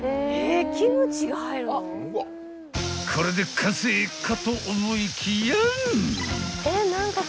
［これで完成かと思いきや］